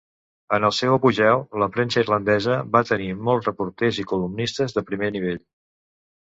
En el seu apogeu, "La premsa irlandesa" va tenir molts reporters i columnistes de primer nivell.